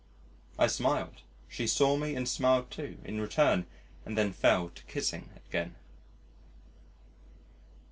I smiled; she saw me, and smiled, too, in return, and then fell to kissing again.